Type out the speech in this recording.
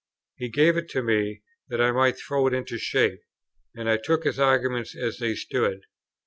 He gave it me, that I might throw it into shape, and I took his arguments as they stood.